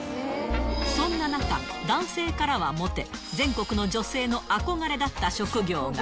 そんな中、男性からはもて、全国の女性の憧れだった職業が。